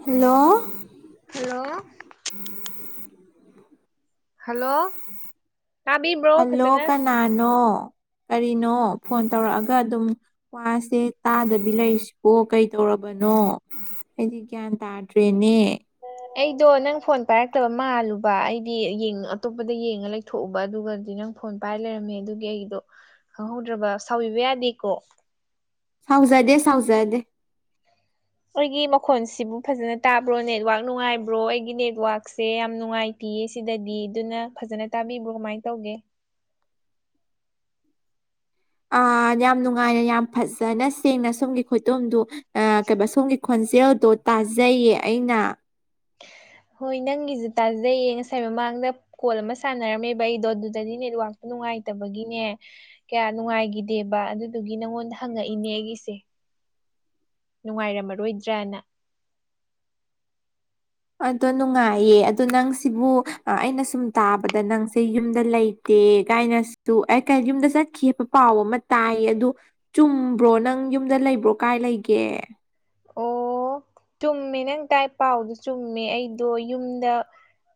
hello hello hello ꯇꯥꯕꯤꯕ꯭ꯔꯣ hello ꯐꯖꯅ ꯀꯅꯥꯅꯣ ꯀꯔꯤꯅꯣ ꯐꯣꯟ ꯇꯧꯔꯛꯑꯒ ꯑꯗꯨꯝ ꯋꯥꯁꯦ ꯇꯥꯗꯕꯤ ꯂꯩꯔꯤꯁꯤꯕꯣ ꯀꯩꯗꯧꯔꯕꯅꯣ ꯑꯩꯗꯤ ꯒ꯭ꯌꯥꯟ ꯇꯥꯔ ꯗ꯭ꯔꯦꯅꯦ ꯑꯩꯗꯣ ꯅꯪ ꯐꯣꯟ ꯄꯥꯏꯔꯛꯇꯕ ꯃꯥꯜꯂꯨꯕ ꯑꯩꯗꯤ ꯌꯦꯡ ꯑꯇꯣꯞꯄꯗ ꯌꯦꯡꯉ ꯂꯩꯊꯣꯛꯎꯕ ꯑꯗꯨꯒꯗꯤ ꯅꯪ ꯐꯣꯟ ꯄꯥꯏꯔ ꯂꯩꯔꯝꯃꯦ ꯑꯗꯨꯒꯤ ꯑꯩꯗꯣ ꯈꯪꯍꯧꯗ꯭ꯔꯕ ꯁꯥꯎꯕꯤꯕ ꯌꯥꯗꯦꯀꯣ ꯁꯥꯎꯖꯗꯦ ꯁꯥꯎꯖꯗꯦ ꯑꯩꯒꯤ ꯃꯈꯣꯟꯁꯤꯕꯨ ꯐꯖꯅ ꯇꯥꯕ꯭ꯔꯣ ꯅꯦꯠꯋꯥꯛ ꯅꯨꯡꯉꯥꯏꯕ꯭ꯔꯣ ꯑꯩꯒꯤ ꯅꯦꯠꯋꯥꯛꯁꯦ ꯌꯥꯝ ꯅꯨꯡꯉꯥꯏ ꯇꯤꯌꯦ ꯁꯤꯗꯗꯤ ꯑꯗꯨꯅ ꯐꯖꯅ ꯇꯥꯕꯤꯕ꯭ꯔꯣ ꯀꯃꯥꯏ ꯇꯧꯒꯦ ꯑ ꯌꯥꯝ ꯅꯨꯡꯉꯥꯏꯅ ꯌꯥꯝ ꯐꯖꯅ ꯁꯦꯡꯅ ꯁꯣꯝꯒꯤ ꯈꯨꯇꯣꯡꯗꯨ ꯑ ꯀꯩꯕ ꯁꯣꯝꯒꯤ ꯈꯣꯟꯖꯦꯜꯗꯣ ꯇꯥꯖꯩꯌꯦ ꯑꯩꯅ ꯍꯣꯏ ꯅꯪꯒꯤꯖꯨ ꯇꯥꯖꯩꯌꯦ ꯉꯁꯥꯏ ꯃꯃꯥꯡꯗ ꯀꯣꯜ ꯑꯃ ꯁꯥꯟꯅꯔꯝꯃꯦꯕ ꯑꯩꯗꯣ ꯑꯗꯨꯗꯗꯤ ꯅꯦꯠꯋꯥꯛꯇꯣ ꯅꯨꯡꯉꯥꯏꯇꯕꯒꯤꯅꯦ ꯀꯌꯥ ꯅꯨꯡꯉꯥꯏꯒꯤꯗꯦꯕ ꯑꯗꯨꯗꯨꯒꯤ ꯅꯪꯉꯣꯟꯗ ꯍꯪꯉꯛꯏꯅꯦ ꯑꯩꯒꯤꯁꯦ ꯅꯨꯡꯉꯥꯏꯔꯝꯃꯔꯣꯏꯗ꯭ꯔꯅ ꯑꯗꯣ ꯅꯨꯡꯉꯥꯏꯌꯦ ꯑꯗꯣ ꯅꯪ ꯁꯤꯕꯨ ꯑ ꯑꯩꯅ ꯁꯨꯝ ꯇꯥꯕꯗ ꯅꯪꯁꯦ ꯌꯨꯝꯗ ꯂꯩ ꯇꯦ ꯀꯥꯏꯅꯁꯨ ꯑꯩ ꯀ ꯌꯨꯝꯗ ꯆꯠꯈꯤꯕ ꯄꯥꯎ ꯑꯃ ꯇꯥꯏꯌꯦ ꯑꯗꯨ ꯆꯨꯝꯕ꯭ꯔꯣ ꯅꯪ ꯌꯨꯝꯗ ꯂꯩꯕ꯭ꯔꯣ ꯀꯥꯏ ꯂꯩꯒꯦ ꯑꯣ ꯆꯨꯝꯃꯦ ꯅꯪ ꯇꯥꯏ ꯄꯥꯎꯗꯨ ꯆꯨꯝꯃꯦ ꯑꯩꯗꯣ ꯌꯨꯝꯗ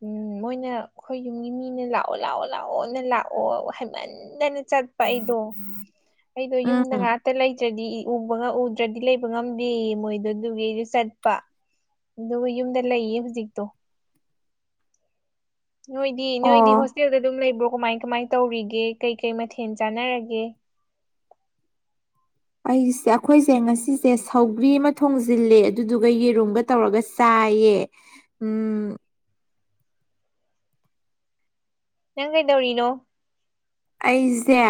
ꯎꯝ ꯃꯣꯏꯅ ꯈꯣꯏ ꯌꯨꯝꯒꯤ ꯃꯤꯅ ꯂꯥꯛꯑꯣ ꯂꯥꯛꯑꯣ ꯂꯥꯛꯑꯣꯅ ꯂꯥꯛꯑꯣ ꯍꯥꯏꯩꯃꯟꯗꯅ ꯆꯠꯄ ꯑꯩꯗꯣ ꯑꯩꯗꯣ ꯌꯨꯝꯗ ꯎꯝ ꯉꯥꯛꯇ ꯂꯩꯇ꯭ꯔꯗꯤ ꯎꯕꯒ ꯎꯗ꯭ꯔꯗꯤ ꯂꯩꯕ ꯉꯝꯗꯦꯌꯦ ꯃꯣꯏꯗꯣ ꯑꯗꯨꯒꯤ ꯑꯩꯖꯨ ꯆꯠꯄ ꯑꯗꯨꯒ ꯌꯨꯝꯗ ꯂꯩꯌꯦ ꯍꯧꯖꯤꯛꯇꯣ ꯅꯣꯏꯗꯤ ꯅꯣꯏꯗꯤ ꯑꯣ ꯍꯣꯁꯇꯦꯜꯗ ꯑꯗꯨꯝ ꯂꯩꯕ꯭ꯔꯣ ꯀꯃꯥꯏ ꯀꯃꯥꯏ ꯇꯧꯔꯤꯒꯦ ꯀꯩ ꯀꯩ ꯃꯊꯦꯜ ꯆꯥꯟꯅꯔꯒꯦ ꯑꯩꯁꯦ ꯑꯈꯣꯏꯁꯦ ꯉꯁꯤꯁꯦ ꯁꯧꯒ꯭ꯔꯤ ꯑꯃ ꯊꯣꯡꯖꯤꯜꯂꯦ ꯑꯗꯨꯗꯨꯒ ꯌꯦꯔꯨꯝꯒ ꯇꯧꯔꯒ ꯆꯥꯏꯌꯦ ꯎꯝ ꯅꯪ ꯀꯩꯗꯧꯔꯤꯅꯣ ꯑꯩꯖꯦ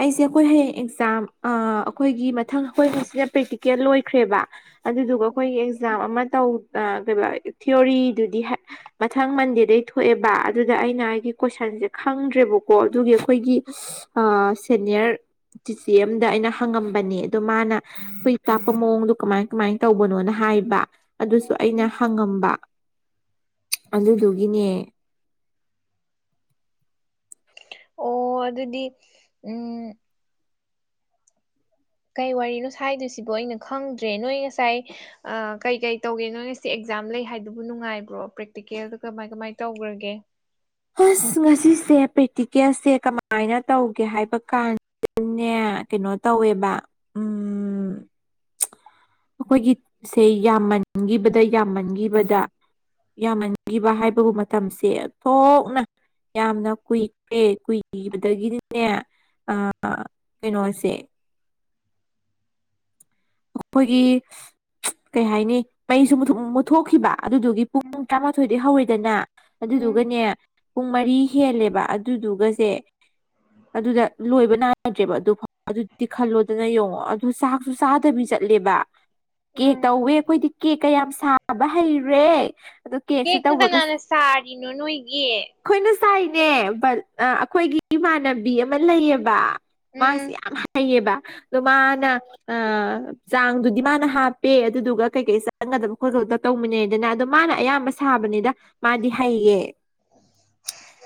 ꯑꯩꯁꯦ ꯑꯩꯈꯣꯏ ꯍꯌꯦꯡ ꯑꯦꯛꯖꯥꯝ ꯑ ꯑꯈꯣꯏꯒꯤ ꯃꯊꯪ ꯑꯩꯈꯣꯏ ꯉꯁꯤꯅ ꯄ꯭ꯔꯦꯛꯇꯤꯀꯦꯜ ꯂꯣꯏꯈ꯭ꯔꯦꯕ ꯑꯗꯨꯗꯨꯒ ꯎꯝ ꯑꯩꯈꯣꯏꯒꯤ ꯑꯦꯛꯖꯥꯝ ꯑꯃ ꯇꯧ ꯑ ꯀꯩꯕ ꯊꯤꯑꯣꯔꯤꯗꯨꯗꯤ ꯍ ꯃꯊꯪ ꯃꯟꯗꯦꯗꯩ ꯊꯣꯛꯑꯦꯕ ꯑꯗꯨꯗ ꯑꯩꯅ ꯑꯩꯒꯤ ꯀꯣꯏꯁꯟꯖꯦ ꯈꯪꯗ꯭ꯔꯦꯕꯀꯣ ꯗꯨꯒꯤ ꯑꯩꯈꯣꯏꯒꯤ [unintelligible] ꯑꯥ ꯁꯦꯅꯤꯌꯔ ꯆꯤꯆꯦ ꯑꯝꯗ ꯑꯩꯅ ꯍꯪꯉꯝꯕꯅꯦ ꯗꯣ ꯃꯥꯅ ꯑꯩꯈꯣꯏ ꯇꯥꯛꯄ ꯃꯑꯣꯡꯗꯣ ꯀꯃꯥꯏ ꯀꯃꯥꯏ ꯇꯧꯕꯅꯣꯅ ꯍꯥꯏꯕ ꯑꯗꯨꯁꯨ ꯑꯩꯅ ꯎꯝ ꯍꯪꯉꯝꯕ ꯑꯗꯨꯗꯨꯒꯤꯅꯦ ꯑꯣ ꯑꯗꯨꯗꯤ ꯎꯝ ꯀꯩ ꯋꯥꯔꯤꯅꯣ ꯁꯥꯏꯗꯣꯏꯁꯤꯕꯣ ꯑꯩꯅ ꯈꯪꯗ꯭ꯔꯦ ꯅꯣꯏ ꯉꯁꯥꯏ ꯑ ꯀꯩ ꯀꯩ ꯇꯧꯒꯦ ꯅꯣꯏ ꯉꯁꯤ ꯑꯦꯛꯖꯥꯝ ꯂꯩ ꯍꯥꯏꯗꯨꯕꯨ ꯅꯨꯡꯉꯥꯏꯕ꯭ꯔꯣ ꯄ꯭ꯔꯦꯛꯇꯤꯀꯦꯜꯗ ꯀꯃꯥꯏ ꯀꯃꯥꯏ ꯇꯧꯒ꯭ꯔꯒꯦ ꯍꯁ ꯉꯁꯤꯁꯦ ꯄ꯭ꯔꯦꯛꯇꯤꯀꯦꯜꯁꯦ ꯀꯃꯥꯏꯅ ꯇꯧꯒꯦ ꯍꯥꯏꯕ ꯀꯥꯟ ꯅꯦ ꯀꯩꯅꯣ ꯇꯧꯋꯦꯕ [inaudible] ꯑꯩꯈꯣꯏꯒꯤ [unintelligible] ꯁꯦ ꯌꯥꯝꯃꯟꯒꯤꯕꯗ ꯌꯥꯝꯃꯟꯒꯤꯕꯗ ꯌꯥꯝꯃꯟꯒꯤꯕ ꯍꯥꯏꯕꯕꯨ ꯃꯇꯝꯁꯦ ꯑꯣꯊꯣꯛꯅ ꯌꯥꯝꯅ ꯀꯨꯏꯔꯦ ꯀꯨꯏꯕꯗꯒꯤꯗꯤꯅꯦ ꯑ ꯀꯩꯅꯣꯁꯦ ꯑꯈꯣꯏꯒꯤ ꯀꯩ ꯍꯥꯏꯅꯤ ꯃꯩꯁꯨ ꯃꯨꯠꯊꯣꯛꯈꯤꯕ ꯑꯗꯨꯗꯨꯒꯤ ꯎꯝ ꯄꯨꯡ ꯇꯔꯥꯃꯥꯊꯣꯏꯗꯩ ꯍꯧꯋꯤꯗꯅ ꯎꯝ ꯑꯗꯨꯗꯨꯒꯅꯦ ꯄꯨꯡ ꯃꯔꯤ ꯍꯦꯜꯂꯦꯕ ꯑꯗꯨꯗꯨꯒꯖꯦ ꯑꯗꯨꯗ ꯂꯣꯏꯕ ꯅꯥꯗ꯭ꯔꯦꯕ ꯑꯗꯨ ꯐꯥꯎ ꯑꯗꯨꯗꯤ ꯈꯜꯂꯣꯗꯅ ꯌꯦꯡꯉꯣ ꯑꯗꯨ ꯆꯥꯛꯁꯨ ꯆꯥ ꯇꯕꯤ ꯆꯠꯂꯦꯕ ꯀꯦꯛ ꯎꯝ ꯇꯧꯋꯦ ꯑꯩꯈꯣꯏꯗꯤ ꯀꯦꯛꯀꯥ ꯌꯥꯝ ꯁꯥꯕ ꯍꯩꯔꯦ ꯑꯗꯣ ꯀꯦꯛꯁꯦ ꯀꯦꯛꯇꯨ ꯇꯧꯔꯒ ꯀꯅꯥꯅ ꯁꯥꯔꯤꯅꯣ ꯅꯣꯏꯒꯤ ꯈꯣꯏꯅ ꯆꯥꯏꯅꯦ ꯕꯜ ꯑ ꯑꯈꯣꯏꯒꯤ ꯏꯃꯥꯟꯅꯕꯤ ꯑꯃ ꯂꯩꯌꯦꯕ ꯃꯥꯁ ꯎꯝ ꯌꯥꯝ ꯍꯩꯌꯦꯕ ꯑꯗꯣ ꯃꯥꯅ ꯑ ꯆꯥꯡꯗꯨꯗꯤ ꯃꯥꯅ ꯍꯥꯞꯄꯦ ꯑꯗꯨꯗꯨꯒ ꯀꯩꯀꯩ ꯆꯪꯒꯗꯕ ꯈꯣꯠꯀꯇ ꯇꯧꯃꯤꯟꯅꯔꯦꯗꯅ ꯑꯗꯣ ꯃꯥꯅ ꯑꯌꯥꯝꯕ ꯁꯥꯕꯅꯤꯗ ꯃꯥꯗꯤ ꯍꯩꯌꯦ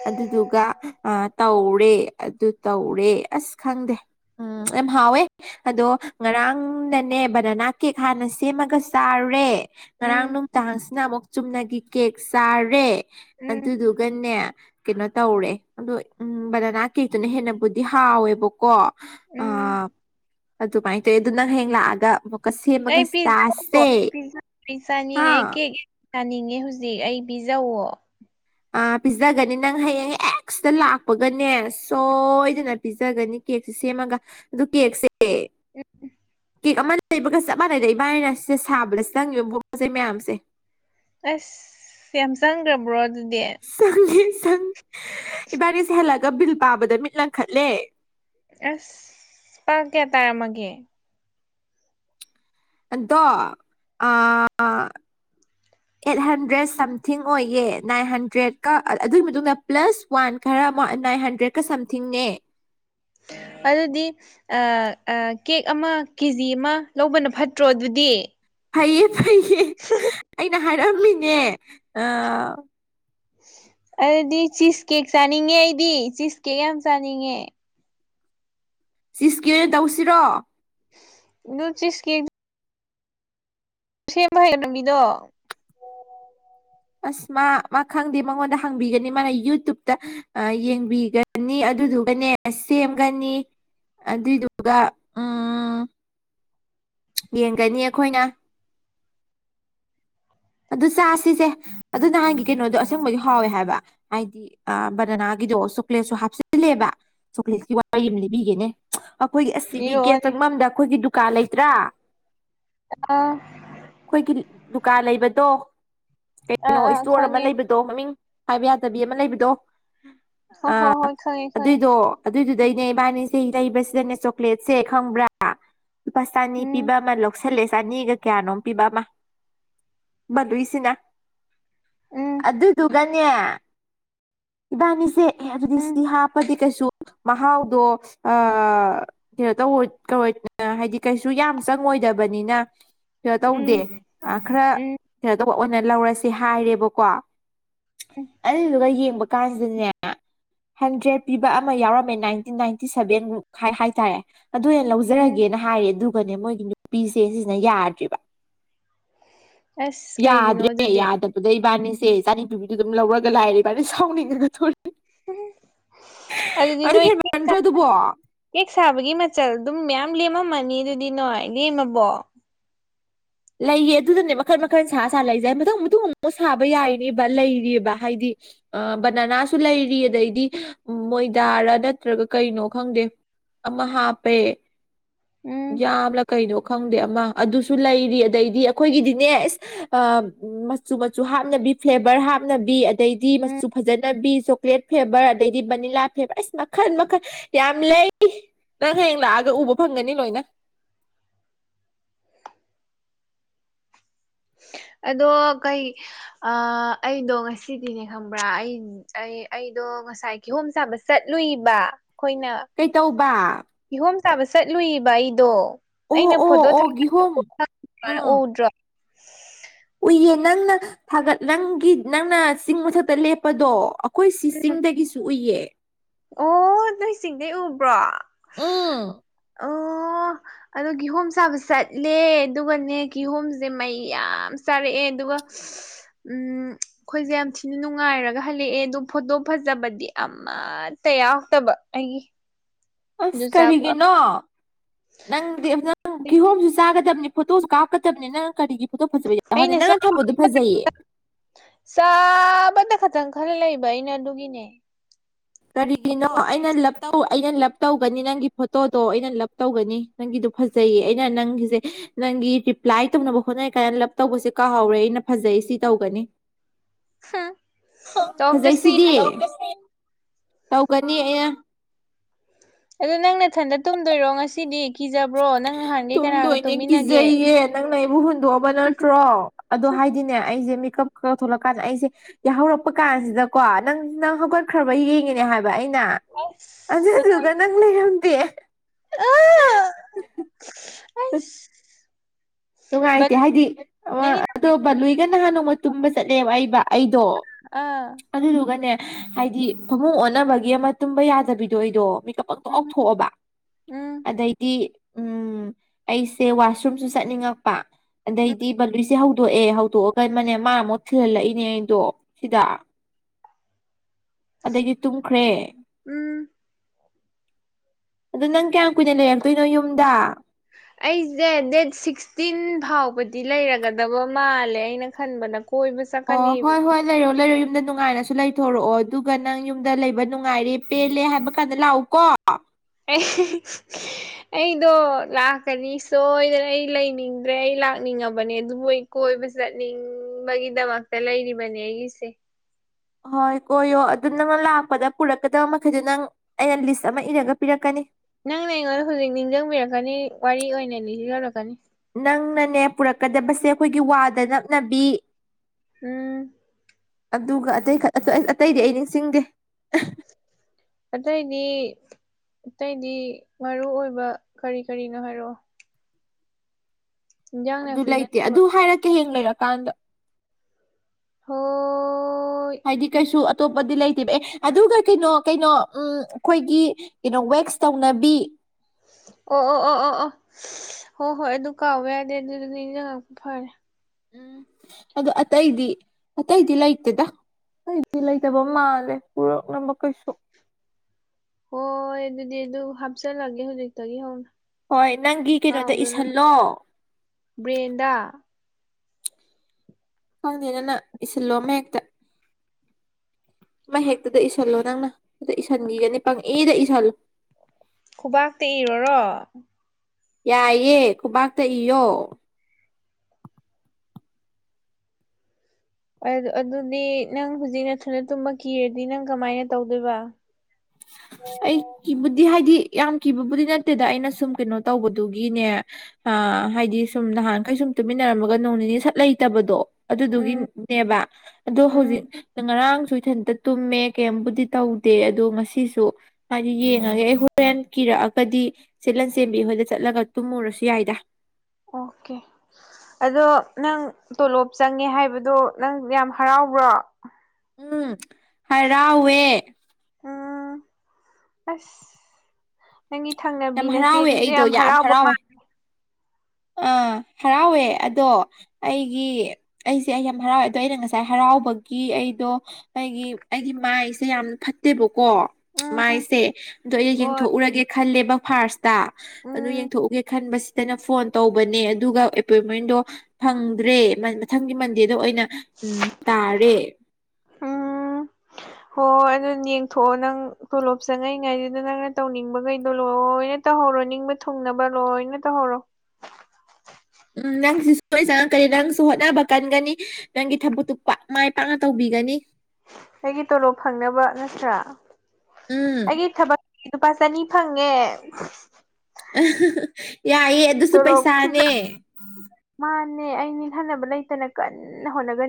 ꯑꯗꯨꯗꯨꯒ ꯑ ꯇꯧꯔꯦ ꯑꯗꯨ ꯇꯧꯔꯦ ꯑꯁ ꯈꯪꯗꯦ ꯎꯝ ꯌꯥꯝ ꯍꯥꯎꯋꯦ ꯑꯗꯣ ꯉꯔꯥꯡ ꯅꯅꯦ ꯕꯅꯅꯥ ꯀꯦꯛ ꯍꯥꯟꯅ ꯁꯦꯝꯃꯒ ꯆꯥꯔꯦ ꯉꯔꯥꯡ ꯎꯝ ꯅꯨꯡꯗꯥꯡꯁꯤꯅ ꯑꯃꯨꯛ ꯆꯨꯝꯅꯒꯤ ꯀꯦꯛ ꯆꯥꯔꯦ ꯎꯝ ꯑꯗꯨꯗꯨ ꯒꯅꯦ ꯀꯩꯅꯣ ꯇꯧꯔꯦ ꯑꯗꯣ ꯎꯝ ꯕꯅꯥꯅꯥ ꯀꯦꯛꯇꯨꯅ ꯍꯦꯟꯅꯕꯨꯗꯤ ꯍꯥꯎꯋꯦꯕꯀꯣ ꯑ ꯎꯝ ꯑꯗꯨꯃꯥꯏ ꯇꯧꯋꯦ ꯑꯗꯨ ꯅꯪ ꯍꯌꯦꯡ ꯂꯥꯛꯑꯒ ꯁꯦꯝꯃꯒ ꯑꯩ ꯄꯤꯖꯧꯀꯣ ꯆꯥꯁꯦ ꯑꯩ ꯄꯤꯖꯧ ꯑꯩ ꯍꯥ ꯆꯥꯅꯤꯡꯉꯦ ꯑꯩ ꯀꯦꯛ ꯆꯥꯅꯤꯡꯉꯦ ꯍꯧꯖꯤꯛ ꯑꯩ ꯄꯤꯖꯧꯋꫭ ꯑ ꯄꯤꯖꯒꯅꯤ ꯅꯪ ꯍꯌꯦꯡ ꯍꯦꯛꯁꯤꯗ ꯂꯥꯛꯄꯒꯅꯦ ꯁꯣꯏꯗꯅ ꯄꯤꯖꯒꯅꯤ ꯀꯦꯛꯁꯦ ꯁꯦꯝꯃꯒ ꯑꯗꯨ ꯀꯦꯛꯁꯦ [unintelligible] ꯀꯦꯛ ꯑꯃ ꯂꯩꯕꯒ ꯆꯞ ꯃꯥꯟꯅꯩꯗ ꯏꯕꯥꯢꯅꯤꯅ ꯁꯤꯗ ꯁꯥꯕꯗ ꯆꯪꯉꯤꯕ ꯃꯄꯣꯠ ꯃꯆꯩ ꯃꯌꯥꯝꯁꯦ ꯑꯁ ꯌꯥꯝ ꯆꯪꯒꯔꯕ꯭ꯔꯣ ꯑꯗꯨꯗꯤ ꯆꯪꯉꯦ ꯆꯪ ꯏꯕꯥꯅꯤꯁꯦ ꯍꯜꯂꯛꯒ ꯕꯤꯜ ꯄꯥꯕꯗ ꯃꯤꯠ ꯂꯪꯈꯠꯂꯦ ꯑꯁ ꯂꯨꯄꯥ ꯀꯌꯥ ꯇꯥꯔꯝꯃꯒꯦ ꯑꯗꯣ ꯑ [inaudible] ꯑꯥꯏꯠ ꯍꯟꯗ꯭ꯔꯦꯗ ꯁꯝꯊꯤꯡ ꯑꯣꯏꯌꯦ ꯅꯥꯏꯟ ꯍꯟꯗ꯭ꯔꯦꯠꯀ ꯑꯗꯨꯒꯤ ꯃꯇꯨꯡꯗ ꯄ꯭ꯂꯁ ꯋꯥꯟ ꯈꯔ ꯃ ꯅꯥꯏꯟ ꯍꯟꯗ꯭ꯔꯦꯗꯀ ꯁꯝꯊꯤꯡꯅꯦ ꯑꯗꯨꯗꯤ ꯑ ꯑ ꯀꯦꯛ ꯑꯃ ꯀꯦꯖꯤ ꯑꯃ ꯂꯧꯕꯅ ꯐꯠꯇ꯭ꯔꯣ ꯑꯗꯨꯗꯤ ꯐꯩꯌꯦ ꯐꯩꯌꯦ ꯑꯩꯅ ꯍꯥꯏꯔꯝꯃꯤꯅꯦ ꯑꯗꯨꯗꯤ ꯆꯤꯁ ꯀꯦꯛ ꯆꯥꯅꯤꯡꯉꯦ ꯑꯩꯗꯤ ꯆꯤꯁ ꯀꯦꯛ ꯌꯥꯝ ꯆꯥꯅꯤꯡꯉꯦ ꯆꯤꯁꯀꯤ ꯑꯣꯏꯅ ꯇꯧꯁꯤꯔꯣ ꯑꯗꫭ ꯆꯤꯁ ꯀꯦꯛ ꯁꯦꯝꯕ ꯍꯩꯒꯗꯃꯤꯗꯣ ꯑꯁ ꯃꯥ ꯃꯥ ꯈꯪꯗꯦ ꯃꯉꯣꯟꯗ ꯍꯪꯕꯤꯒꯅꯤ ꯃꯥꯅ ꯌꯨꯇꯨꯕꯇ ꯑ ꯌꯦꯡꯕꯤꯒꯅꯤ ꯑꯗꯨꯗꯨꯒꯅꯦ ꯁꯦꯝꯒꯅꯤ ꯑꯗꯨꯏꯗꯨꯒ ꯎꯝ ꯌꯦꯡꯒꯅꯤ ꯑꯩꯈꯣꯏꯅ ꯑꯗꯨ ꯆꯥꯁꯤꯁꯦ ꯑꯗꯨ ꯅꯍꯥꯟꯒꯤ ꯀꯩꯅꯣꯗꯣ ꯑꯁꯪꯕꯒꯤ ꯍꯥꯎꯋꯦ ꯍꯥꯏꯕ ꯍꯥꯏꯗꯤ ꯑ ꯕꯅꯅꯥꯒꯤꯗꯣ ꯆꯣꯀ꯭ꯂꯦꯠꯁꯨ ꯍꯥꯞꯆꯤꯜꯂꯦꯕ ꯆꯣꯀ꯭ꯂꯦꯠꯀꯤ ꯋꯥꯔꯤ ꯑꯃ ꯂꯤꯕꯤꯒꯦꯅꯦ ꯑꯈꯣꯏꯒꯤ ꯑꯁꯤꯒꯤ ꯒꯦꯠ ꯂꯤꯔꯛꯑꯣꯅꯦ ꯆꯪꯕꯝꯗ ꯑꯩꯈꯣꯏꯒꯤ ꯗꯨꯀꯥꯟ ꯂꯩꯇ꯭ꯔꯥ ꯑꯥ ꯑꯩꯈꯣꯏꯒꯤ ꯗꯨꯀꯥꯟ ꯂꯩꯕꯗꯣ ꯑꯥ ꯀꯩꯅꯣ ꯑꯥ ꯏꯁꯇꯣꯔ ꯑꯃ ꯈꯪꯉꯦ ꯂꯩꯕ ꯗꯣ ꯃꯃꯤꯡ ꯍꯥꯏꯕ ꯌꯥꯗꯕꯤ ꯑꯃ ꯂꯩꯕꯗꯣ ꯍꯣꯏ ꯍꯣꯏ ꯑꯥ ꯍꯣꯏ ꯈꯪꯉꯦ ꯈꯪꯉꯦ ꯑꯗꯨꯏꯗꯣ ꯑꯗꯨꯏꯗꯨꯗꯩꯅꯦ ꯏꯕꯥꯅꯤ ꯁꯤ ꯂꯩꯕꯁꯤꯗꯅꯦ ꯆꯣꯀ꯭ꯂꯦꯠꯁꯦ ꯈꯪꯕ꯭ꯔꯥ [unintelligible] ꯂꯨꯄꯥ ꯆꯅꯤ ꯎꯝ ꯄꯤꯕ ꯑꯃ ꯂꯧꯁꯜꯂꯦ ꯆꯅꯤꯒ ꯀ꯭ꯌꯥꯅꯣꯝ ꯄꯤꯕ ꯑꯃ ꯕꯗꯨꯏꯁꯤꯅ ꯎꯝ ꯑꯗꯨꯗꯨꯒ ꯅꯦ ꯏꯕꯥꯅꯤꯁꯦ ꯑꯦ ꯑꯗꯨꯗꯤ ꯁꯤꯗꯤ ꯍꯥꯞꯄꯗꯤ ꯀꯩꯁꯨ ꯃꯍꯥꯎꯗꯣ ꯑꯥ ꯀꯩꯅꯣ ꯇꯧꯋꯣꯢ ꯇꯧꯔꯣꯢ ꯍꯥꯏꯗꯤ ꯀꯩꯁꯨ ꯌꯥꯝ ꯆꯪꯉꯣꯏꯗꯕꯅꯤꯅ ꯀꯩꯅꯣ ꯇꯧꯗꯦ ꯎꯝ ꯑ ꯈꯔ ꯎꯝ ꯑꯇꯣꯄ ꯑꯣꯏꯅ ꯂꯧꯔꯁꯦ ꯍꯥꯏꯔꯦꯕꯀꯣ ꯎꯝ ꯑꯗꯨꯗꯨꯒ ꯌꯦꯡꯕ ꯀꯥꯟꯁꯤꯅꯦ ꯍꯟꯗ꯭ꯔꯦꯗ ꯄꯤꯕ ꯑꯃ ꯌꯥꯎꯔꯝꯃꯦ ꯅꯥꯏꯟꯇꯤ ꯅꯥꯏꯟꯇꯤ ꯁꯚꯦꯟꯃꯨꯛ ꯍꯥꯏ ꯍꯥꯏꯇꯥꯔꯦ ꯑꯗꯨꯑꯣꯏ ꯎꯝ ꯂꯧꯖꯔꯒꯦꯅ ꯍꯥꯏꯔꯦ ꯑꯗꯨꯒꯅꯦ ꯃꯣꯏꯒꯤ ꯅꯨꯄꯤꯁꯦ ꯁꯤꯖꯤꯅ ꯌꯥꯗ꯭ꯔꯤꯕ ꯑꯁ ꯀꯩꯒꯤꯅꯣ ꯌꯥꯗ꯭ꯔꯦ ꯑꯗꯨꯗꯤ ꯌꯥꯗꯕꯗꯩ ꯏꯕꯥꯅꯤꯁꯦ ꯆꯥꯅꯤꯄꯤꯕꯤꯗꯨ ꯑꯗꯨꯝ ꯂꯧꯔꯒ ꯂꯥꯑꯦ ꯏꯕꯥꯅꯤ ꯁꯥꯎꯅꯤꯡꯉꯒ ꯊꯣꯔꯛ [unintelligible] ꯑꯗꯨꯗꯤ ꯑꯗꯨ ꯅꯣꯏ ꯀꯦꯛ ꯍꯦꯟꯃꯟꯗ꯭ꯔꯣ ꯁꯥ ꯑꯗꯨꯕꯣ ꯀꯦꯛ ꯁꯥꯕꯒꯤ ꯃꯆꯜ ꯗꯨꯝ ꯃꯌꯥꯝ ꯂꯦꯝꯃꯝꯃꯅꯤ ꯑꯗꯨꯗꯤ ꯅꯣꯏ ꯂꯦꯝꯃꯕꯣ ꯂꯩꯌꯦ ꯑꯗꯨꯅꯅꯦ ꯃꯈꯟ ꯃꯈꯟ ꯁꯥ ꯁꯥ ꯂꯩꯖꯦ ꯃꯊꯪ ꯃꯇꯨꯡ ꯑꯃꯨꯛꯐꯥꯎ ꯁꯥꯕ ꯌꯥꯏꯅꯦꯕ ꯂꯩꯔꯤꯕ ꯍꯥꯏꯗꯤ ꯑ ꯕꯅꯥꯅꯥꯁꯨ ꯂꯩꯔꯤ ꯑꯗꯩꯗꯤ ꯃꯣꯏꯗꯥ ꯔ ꯅꯠꯇ꯭ꯔꯒ ꯀꯩꯅꯣ ꯈꯪꯗꯦ ꯑꯃ ꯍꯥꯞꯄꯦ ꯎꯝ ꯌꯥꯝꯂ ꯀꯩꯅꯣ ꯈꯪꯗꯦ ꯑꯃ ꯑꯗꯨꯁꯨ ꯂꯩꯔꯤ ꯑꯗꯩꯗꯤ ꯑꯈꯣꯏꯒꯤꯗꯤꯅꯦ ꯏꯁ [unintelligible] ꯃꯆꯨ ꯃꯆꯨ ꯍꯥꯞꯅꯕꯤ ꯐ꯭ꯂꯦꯕꯔ ꯍꯥꯞꯅꯕꯤ ꯑꯗꯩꯗꯤ ꯎꯝ ꯃꯆꯨ ꯐꯖꯅꯕꯤꯁꯨ ꯕ꯭ꯔꯦꯠ ꯐ꯭ꯂꯦꯕꯔ ꯑꯗꯩꯗꯤ ꯕꯅꯤꯂꯥ ꯐ꯭ꯂꯦꯕꯔ ꯑꯁ ꯃꯈꯜ ꯃꯈꯜ ꯌꯥꯝ ꯂꯩ ꯅꯪ ꯍꯌꯦꯡ ꯂꯥꯛꯑꯒ ꯎꯕ ꯐꯪꯒꯅꯤ ꯂꯣꯏꯅ ꯑꯗꯣ ꯀꯩ [unintelligible] ꯑꯩꯗꯣ ꯉꯁꯤꯗꯤꯅꯦ ꯈꯪꯕ꯭ꯔꯥ ꯑꯩ ꯑꯩ ꯑꯩꯗꯣ ꯉꯁꯥꯏ ꯀꯤꯍꯣꯝ ꯆꯥꯕ ꯆꯠꯂꯨꯏꯕ ꯑꯈꯣꯏꯅ ꯀꯩꯇꯧꯕ ꯀꯤꯍꯣꯝ ꯆꯥꯕ ꯆꯠꯂꯨꯏꯕ ꯑꯩꯗꯣ ꯑꯣ ꯑꯩꯅ ꯑꯣ ꯐꯣꯇꯣ ꯊꯥ ꯑꯣ ꯒꯤꯍꯣꯝ [unintelligible] ꯎꯝ ꯎꯗ꯭ꯔꯣ ꯎꯏꯌꯦ ꯅꯪꯅ ꯊꯥꯒꯠ ꯅꯪꯒꯤ ꯅꯪꯅ ꯆꯤꯡ ꯃꯊꯛꯇ ꯂꯦꯞꯄꯗꯣ ꯑꯈꯣꯏ ꯁꯤ ꯆꯤꯡꯗꯒꯤꯁꯨ ꯎꯏꯌꯦ ꯑꯣ ꯅꯣꯏ ꯆꯤꯡꯗꯩ ꯎꯕ꯭ꯔꯣ ꯎꯝ ꯑꯣ ꯑꯗꯨ ꯒꯤꯍꯣꯝ ꯆꯥꯕ ꯆꯠꯂꯦ ꯑꯗꯨꯒꯅꯦ ꯒꯤꯍꯣꯝꯖꯦ ꯃꯩꯌꯥꯝ ꯆꯥꯔꯛꯑꯦ ꯑꯗꯨꯒ [unintelligible] ꯎꯝ ꯑꯈꯣꯏꯖꯦ ꯌꯥꯝ ꯊꯤꯟ ꯅꯨꯡꯉꯥꯏꯔꯒ ꯍꯜꯂꯛꯑꯦ ꯑꯗꯨ ꯐꯣꯇꯣ ꯐꯖꯕꯗꯤ ꯑꯃꯠꯇ ꯌꯥꯎꯇꯕ ꯑꯩꯒꯤ ꯑꯁ ꯑꯗꯨ ꯆꯥꯕ ꯀꯔꯤꯒꯤꯅꯣ ꯅꯪꯗꯤ [unintelligible] ꯀꯤꯍꯣꯝ ꯆꯥ ꯀꯥꯒꯗꯕꯅꯤ ꯐꯣꯇꯣꯁꯨ ꯀꯥꯞꯀꯗꯕꯅꯤ ꯅꯪ ꯀꯔꯤꯒꯤ ꯐꯣꯇꯣ ꯐꯖꯕ ꯌꯥꯎꯍꯟꯗꯦ ꯑꯩꯅ ꯅꯪꯅ ꯊꯝꯕꯗꯣ ꯐꯖꯩꯌꯦ ꯆꯥꯕꯗ ꯈꯇꯪ ꯈꯜꯂ ꯂꯩꯕ ꯑꯩꯅ ꯑꯗꯨꯒꯤꯅꯦ ꯀꯔꯤꯒꯤꯅꯣ ꯑꯩꯅ ꯂꯕ ꯇꯧ ꯑꯩꯅ ꯂꯕ ꯇꯧꯒꯅꯤ ꯅꯪꯒꯤ ꯐꯣ ꯐꯣꯇꯣꯗꯣ ꯑꯩꯅ ꯂꯕ ꯇꯧꯒꯅꯤ ꯅꯪꯒꯤꯗꯣ ꯐꯖꯩꯌꯦ ꯑꯩꯅ ꯅꯪꯒꯤꯖꯦ ꯅꯪꯒꯤ ꯔꯤꯄ꯭ꯂꯥꯏ ꯇꯧꯅꯕ ꯍꯣꯠꯅꯔꯤ ꯀꯥꯟ ꯂꯕ ꯇꯧꯕꯁꯦ ꯀꯥꯎꯍꯧꯔꯦ ꯑꯩꯅ ꯐꯖꯩ ꯁꯤ ꯇꯧꯒꯅꯤ ꯇꯧꯔꯛꯇ꯭ꯔꯁꯨ ꯐꯖꯩꯁꯤꯗꯤ ꯌꯥꯏ ꯇꯧꯒꯅꯤ ꯑꯩꯅ ꯑꯗꯨ ꯅꯪ ꯅꯊꯟꯗ ꯇꯨꯝꯗꯣꯏꯔꯣ ꯉꯁꯤꯗꯤ ꯀꯤꯖꯕ꯭ꯔꯣ ꯅꯪ ꯅꯍꯥꯟꯒꯩ ꯀꯅꯥꯒ ꯇꯨꯝꯗꯣꯏꯅꯦ ꯇꯨꯝꯃꯤꯟꯅꯒꯦ ꯀꯤꯖꯩꯌꯦ ꯅꯪꯅ ꯑꯩꯕꯨ ꯍꯨꯟꯗꯣꯛꯑꯝꯕ ꯅꯠꯇ꯭ꯔꯣ ꯑꯗꯣ ꯍꯥꯏꯗꯤꯅꯦ ꯑꯩꯖꯦ ꯃꯤꯀꯞ ꯈꯔ ꯊꯣꯛꯂꯛꯀꯥꯟꯗ ꯑꯩꯁꯦ ꯌꯥ ꯍꯧꯔꯛꯄ ꯀꯥꯟꯖꯤꯗꯀꯣ ꯅꯪ ꯅꯪ ꯍꯧꯒꯠꯈ꯭ꯔꯕ ꯌꯦꯡꯉꯤꯅꯦ ꯍꯥꯏꯕ ꯑꯩꯅ ꯑꯁ ꯑꯗꯨꯗꯨꯒ ꯅꯪ ꯂꯩꯔꯝꯗꯦ ꯑꯥ [unintelligible] ꯑꯁ ꯕꯠ ꯅꯨꯡꯉꯥꯏꯇꯦ ꯍꯥꯏꯗꯤ ꯑꯣ ꯅꯪꯒꯤ ꯑꯗꯣ ꯕꯂꯨꯏꯒ ꯅꯍꯥꯟ ꯅꯣꯡꯃ ꯇꯨꯝꯕ ꯆꯠꯂꯦꯕ ꯑꯩꯕ ꯑꯩꯗꯣ ꯑꯥ ꯑꯗꯨꯗꯨꯒꯅꯦ ꯍꯥꯏꯗꯤ ꯐꯃꯨꯡ ꯑꯣꯟꯅꯕꯒꯤ ꯑꯃ ꯇꯨꯝꯕ ꯌꯥꯗꯕꯤꯗꯣ ꯑꯩꯗꯣ ꯃꯤꯀꯞ ꯄꯣꯛꯇꯣ ꯎꯝ ꯀꯥꯎꯊꯣꯛꯑꯕ ꯎꯝ ꯑꯗꯩꯗꯤ ꯎꯝ ꯑꯩꯁꯦ ꯋꯥꯁꯔꯨꯝꯁꯨ ꯆꯠꯅꯤꯡꯉꯛꯄ ꯎꯝ ꯑꯗꯩꯗꯤ ꯕꯟꯗꯨꯔꯤꯁꯦ ꯍꯧꯗꯣꯛꯑꯦ ꯍꯧꯗꯣꯛꯑꯒ ꯃꯅꯦ ꯃꯥꯅ ꯑꯃꯨꯛ ꯊꯤꯜꯍꯜꯂꯛꯏꯅꯦꯗꯣ ꯁꯤꯗ ꯑꯗꯩꯗꯤ ꯇꯨꯝꯈ꯭ꯔꯦ ꯎꯝ ꯑꯗꯨ ꯅꯪ ꯀꯌꯥꯝ ꯀꯨꯏꯅ ꯂꯩꯔꯛꯇꯣꯏꯅꯣ ꯌꯨꯝꯗ ꯑꯩꯖꯦ ꯗꯦꯠ ꯁꯤꯛꯁꯇꯤꯟ ꯐꯥꯎꯕꯗꯤ ꯂꯩꯔꯒꯗꯕ ꯃꯥꯜꯂꯦ ꯑꯩꯅ ꯈꯟꯕꯅ ꯀꯣꯏꯕ ꯑꯣ ꯆꯠꯀꯅꯤꯕ ꯍꯣꯏ ꯍꯣꯏ ꯂꯩꯔꯣ ꯂꯩꯔꯣ ꯌꯨꯝ ꯌꯨꯝꯗ ꯅꯨꯡꯉꯥꯏꯅꯁꯨ ꯂꯩꯊꯣꯔꯛꯑꯣ ꯑꯗꯨꯒ ꯅꯪ ꯌꯨꯝꯗ ꯂꯩꯕ ꯅꯨꯡꯉꯥꯏꯔꯦ ꯄꯦꯜꯂꯦ ꯍꯥꯏꯕ ꯀꯥꯟꯗ ꯂꯥꯛꯎ ꯀꯣ ꯑꯦꯍꯦ ꯑꯩꯗꯣ ꯂꯥꯛꯀꯅꯤ ꯁꯣꯏꯗꯅ ꯑꯩ ꯂꯩꯅꯤꯡꯗ꯭ꯔꯦ ꯑꯩ ꯂꯥꯛꯅꯤꯡꯉꯕꯅꯦ ꯅꯣꯏ ꯀꯣꯏꯕ ꯆꯠꯅꯤꯡꯕꯒꯤꯗꯃꯛꯇ ꯂꯩꯔꯤꯕꯅꯦ ꯑꯩꯒꯤꯁꯦ ꯍꯣꯏ ꯀꯣꯏꯌꯣ ꯑꯗꯨ ꯅꯪꯅ ꯂꯥꯛꯄꯗ ꯄꯨꯔꯛꯀꯗꯕ ꯃꯈꯩꯗꯣ ꯅꯪ ꯑꯩꯅ ꯂꯤꯁ ꯑꯃ ꯏꯔꯒ ꯄꯤꯔꯛꯀꯅꯤ ꯅꯪꯅ ꯑꯩꯉꯣꯟꯗ ꯍꯧꯖꯤꯛ ꯅꯤꯡꯁꯤꯡꯕꯤꯔꯛꯀꯅꯤ ꯋꯥꯔꯤ ꯑꯣꯏꯅ ꯅꯤꯡꯁꯤꯜꯔꯛꯀꯅꯤ ꯅꯪꯅꯅꯦ ꯄꯨꯔꯛꯀꯗꯕꯁꯦ ꯑꯩꯈꯣꯏꯒꯤ ꯋꯥꯜꯗ ꯅꯞꯅꯕꯤ ꯎꯝ ꯑꯗꯨꯒ ꯑꯇꯩ ꯑꯇꯩꯗꯤ ꯑꯩ ꯅꯤꯡꯁꯤꯡꯗꯦ ꯑꯇꯩꯗꯤ ꯑꯇꯩꯗꯤ ꯃꯔꯨ ꯑꯣꯏꯕ ꯀꯔꯤ ꯀꯔꯤꯅꯣ ꯍꯥꯏꯔꯛꯑꯣ ꯏꯟꯖꯥꯡ ꯑꯗꯨ ꯅꯥꯄꯤ ꯂꯩꯇꯦ ꯅꯠꯇꯕ ꯑꯗꯨ ꯍꯥꯏꯔꯛꯀꯦ ꯍꯌꯦꯡ ꯂꯩꯔꯀꯥꯟꯗ ꯍꯣ ꯍꯥꯏꯗꯤ ꯀꯩꯁꯨ ꯑꯇꯣꯞꯄꯗꯤ ꯂꯩꯇꯦꯕ ꯑꯦ ꯑꯗꯨꯒ ꯀꯩꯅꯣ ꯀꯩꯅꯣ ꯎꯝ ꯑꯩꯈꯣꯏꯒꯤ ꯀꯩꯅꯣ ꯋꯦꯛꯁ ꯇꯧꯅꯕꯤ ꯑꯣ ꯑꯣ ꯑꯣ ꯑꯣ ꯑꯣ ꯍꯣꯏ ꯍꯣꯏ ꯑꯗꯨ ꯀꯥꯎꯕ ꯌꯥꯗꯦ ꯑꯗꯨꯗꯨ ꯅꯤꯡꯖꯛꯉꯛꯄ ꯐꯔꯦ ꯑꯗꯨꯗ ꯑꯇꯩꯗꯤ ꯑꯇꯩꯗꯤ ꯂꯩꯇꯦꯗ ꯑꯩꯗꯤ ꯂꯩꯇꯕ ꯃꯥꯜꯂꯦ ꯄꯨꯔꯛꯅꯕ ꯀꯩꯁꯨ ꯍꯣꯏ ꯑꯗꯨꯗꯤ ꯑꯗꯨ ꯍꯥꯞꯆꯤꯜꯂꯒꯦ ꯍꯧꯖꯤꯛꯇꯒꯤ ꯍꯧꯅ ꯍꯣꯏ ꯅꯪꯒꯤ ꯀꯩꯅꯣꯗ ꯀꯥꯎꯗꯅ ꯏꯁꯁꯤꯜꯂꯣ ꯕ꯭ꯔꯦꯟꯗ ꯈꯪꯗꯦꯅ ꯅ ꯏꯁꯤꯜꯂꯣ ꯑꯃ ꯍꯦꯛꯇ ꯃꯥ ꯍꯦꯛꯇꯗ ꯏꯁꯁꯤꯜꯂꯣ ꯅꯪꯅ ꯏꯁꯁꯤꯟꯈꯤꯒꯅꯤ ꯄꯪꯏꯗ ꯏꯁꯁꯤꯜꯂꯣ ꯈꯨꯕꯥꯛꯇ ꯏꯔꯣꯔꯣ ꯌꯥꯏꯌꯦ ꯈꯨꯕꯥꯛꯇ ꯏꯌꯣ ꯑꯗꯨꯗꯤ ꯅꯪ ꯍꯧꯖꯤꯛꯅ ꯊꯨꯅ ꯇꯨꯝꯕ ꯀꯤꯔꯗꯤ ꯅꯪ ꯀꯃꯥꯏꯅ ꯇꯧꯗꯣꯏꯕ ꯑꯣ ꯑꯩ ꯀꯤꯕꯨꯗꯤ ꯍꯥꯏꯗꯤ ꯌꯥꯝ ꯀꯤꯕꯕꯨꯗꯤ ꯅꯠꯇꯦꯗ ꯑꯩꯅ ꯁꯨꯝ ꯀꯩꯅꯣ ꯇꯧꯕꯗꯨꯒꯤꯅꯦ ꯑ ꯍꯥꯏꯗꯤ ꯁꯨꯝ ꯅꯍꯥꯟꯈꯩ ꯁꯨꯝ ꯇꯨꯃꯤꯟꯅꯔꯝꯃꯒ ꯅꯣꯡ ꯅꯤꯅꯤ ꯁꯠ ꯂꯩꯇꯕꯗꯣ ꯎꯝ ꯑꯗꯨꯗꯨꯒꯤꯅꯦꯕ ꯑꯗꯣ ꯎꯝ ꯍꯧꯖꯤꯛ ꯉꯔꯥꯡꯁꯨ ꯏꯊꯟꯇ ꯇꯨꯝꯃꯦ ꯀꯦꯝꯕꯨꯗꯤ ꯇꯧꯗꯦ ꯑꯗꯣ ꯉꯁꯤꯁꯨ ꯗꯨ ꯍꯥꯏꯗꯤ ꯌꯦꯡꯉꯒꯦ ꯑꯩ ꯍꯣꯔꯦꯟ ꯀꯤꯔꯛꯑꯒꯗꯤ ꯆꯦ ꯂꯟꯆꯦꯟꯕꯤ ꯍꯣꯏꯗ ꯆꯠꯂꯒ ꯇꯨꯝꯃꯨꯔꯁꯨ ꯌꯥꯏꯗ ꯑꯣꯀꯦ ꯑꯗꯣ ꯅꯪ ꯇꯣꯂꯣꯞ ꯆꯪꯉꯦ ꯍꯥꯏꯕꯗꯣ ꯅꯪ ꯌꯥꯝ ꯍꯔꯥꯎꯕ꯭ꯔꯣ ꯎꯝ ꯍꯔꯥꯎꯋꯦ ꯎꯝ ꯑꯁ ꯅꯪꯒꯤ ꯊꯪꯅꯕꯤ ꯌꯥꯝ ꯅꯆꯦ ꯍꯔꯥꯎꯋꯦ ꯗꯨꯁꯨ ꯑꯩꯗꯣ ꯌꯥꯝ ꯍꯔꯥꯎꯕ ꯃꯥꯂꯦ ꯑ ꯍꯔꯥꯎꯋꯦ ꯑꯗꯣ ꯑꯩꯒꯤ ꯑꯩꯁꯦ ꯑꯩ ꯌꯥꯝ ꯍꯔꯥꯎꯋꯦ ꯑꯗꯣ ꯑꯩꯅ ꯉꯁꯥꯏ ꯍꯔꯥꯎꯕꯒꯤ ꯑꯩꯗꯣ ꯑꯩꯒꯤ ꯑꯩꯒꯤ ꯃꯥꯏꯁꯦ ꯌꯥꯝꯅ ꯐꯠꯇꯦꯕꯀꯣ ꯎꯝ ꯃꯥꯏꯁꯦ ꯑꯗꯣ ꯑꯩꯅ ꯍꯣꯏ ꯌꯦꯡꯊꯣꯛꯎꯔꯒꯦ ꯈꯜꯂꯦꯕ ꯐꯥ꯭ꯔꯁꯇ ꯑꯗꯨ ꯎꯝ ꯌꯦꯡꯊꯣꯛꯎꯒꯦ ꯈꯟꯕꯁꯤꯗꯅ ꯐꯣꯟ ꯇꯧꯕꯅꯦ ꯑꯗꯨꯒ ꯑꯦꯄꯣꯏꯃꯦꯟꯗꯣ ꯐꯪꯗ꯭ꯔꯦ ꯃꯊꯪꯒꯤ ꯃꯟꯗꯦꯗ ꯑꯣꯏꯅ ꯎꯝ ꯇꯥꯔꯦ ꯎꯝ ꯍꯣꯏ ꯑꯗꯨ ꯌꯦꯡꯊꯣꯛꯑꯣ ꯅꯪ ꯇꯣꯂꯣꯞ ꯆꯪꯉꯛꯏꯉꯩꯗꯨꯗ ꯅꯪꯅ ꯇꯧꯅꯤꯡꯕ ꯒꯩꯗꯣ ꯂꯣꯏꯅ ꯇꯧꯍꯧꯔꯣ ꯅꯤꯡꯕ ꯊꯨꯡꯅꯕ ꯂꯣꯏꯅ ꯇꯧꯍꯧꯔꯣ ꯎꯝ ꯅꯪꯁꯨ ꯁꯨꯡꯁꯣꯏ ꯆꯪꯉꯛꯀꯅꯤ ꯅꯪꯁꯨ ꯍꯣꯠꯅꯕ ꯀꯟꯒꯅꯤ ꯅꯪꯒꯤ ꯊꯕꯛꯇꯨ [unintelligible] ꯃꯥꯏ ꯄꯥꯛꯅ ꯇꯧꯕꯤꯒꯅꯤ ꯑꯩꯒꯤ ꯇꯣꯂꯣꯞ ꯐꯪꯅꯕ ꯅꯠꯇ꯭ꯔꯥ ꯎꯝ ꯑꯩꯒꯤ ꯊꯕꯛ ꯂꯨꯄꯥ ꯆꯅꯤ ꯐꯪꯉꯦ ꯑ ꯍꯥꯏꯌꯦ ꯇꯂꯣꯛ [inaudible] ꯃꯥꯅꯦ ꯑꯩ ꯅꯤꯡꯍꯟꯅꯕ ꯂꯩꯇꯅ ꯀꯟꯅ ꯍꯣꯠꯅꯒꯅꯤ